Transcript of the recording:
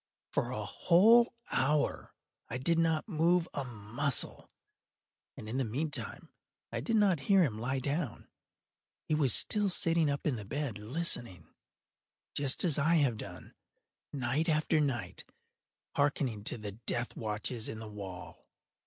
For a whole hour I did not move a muscle, and in the meantime I did not hear him lie down. He was still sitting up in the bed listening;—just as I have done, night after night, hearkening to the death watches in the wall.